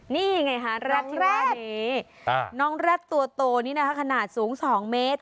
นี่ไงฮะน้องแร็ดน้องแร็ดตัวตัวนี้นะคะขนาดสูงสองเมตร